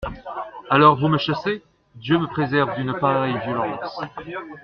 Alors vous me chassez ! Dieu me préserve d'une pareille violence.